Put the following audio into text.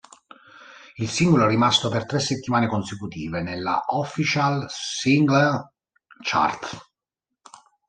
Il singolo è rimasto per tre settimane consecutive nella Official Singles Chart.